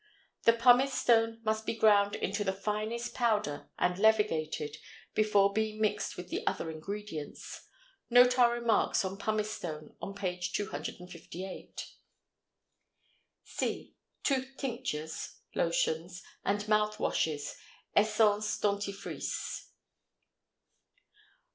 The pumice stone must be ground into the finest powder and levigated, before being mixed with the other ingredients. Note our remarks on pumice stone on page 258. C. Tooth Tinctures (Lotions) and Mouth Washes (Essences Dentifrices).